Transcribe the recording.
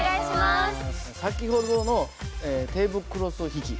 先ほどのテーブルクロス引き。